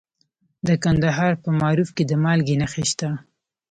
د کندهار په معروف کې د مالګې نښې شته.